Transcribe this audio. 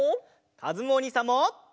かずむおにいさんも！